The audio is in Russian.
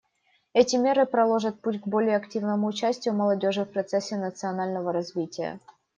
Эти меры проложат путь к более активному участию молодежи в процессе национального развития.